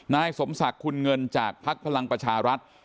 นายสมศักดิ์คุณเงินจากภักดิ์พลังประชารัฐ